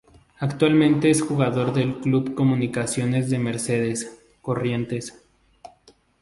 Actualmente es jugador de Club Comunicaciones de Mercedes, Corrientes.